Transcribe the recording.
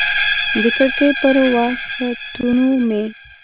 د کړکۍ پر وسعتونو مې